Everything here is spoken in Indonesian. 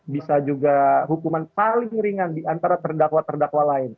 bisa juga hukuman paling ringan diantara terdakwa terdakwa lain